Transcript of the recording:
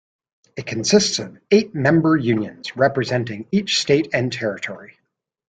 It consists of eight member unions, representing each state and territory.